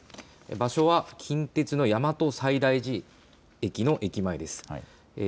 場所は近鉄の大和西大寺駅の駅前です。